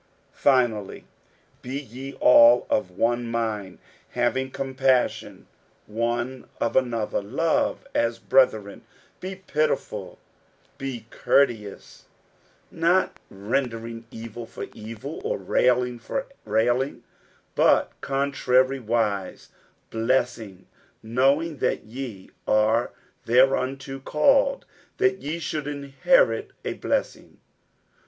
60:003:008 Finally, be ye all of one mind, having compassion one of another, love as brethren, be pitiful, be courteous: 60:003:009 Not rendering evil for evil, or railing for railing: but contrariwise blessing; knowing that ye are thereunto called, that ye should inherit a blessing.